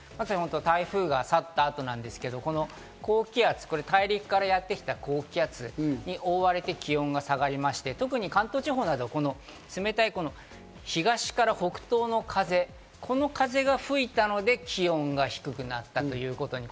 台風が去った後なんですけど、高気圧、大陸からやってきた高気圧に覆われて、気温が下がりまして、特に関東地方など冷たい東から北東の風、この風が吹いたので、気温が低くなったということに。